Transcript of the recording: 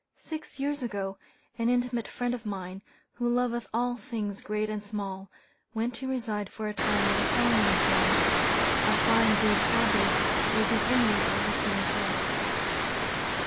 Six years ago, an intimate friend of mine, who "loveth all things great and small," went to reside for a time with a family in town. A fine blue tabby was an inmate of the same house.